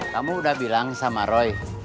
kamu udah bilang sama roy